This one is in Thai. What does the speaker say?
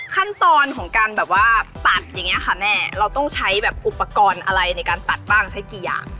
ขั้นตอนของการแบบว่าตัดอย่างนี้ค่ะแม่เราต้องใช้แบบอุปกรณ์อะไรในการตัดบ้างใช้กี่อย่าง